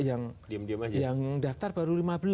yang daftar baru lima belas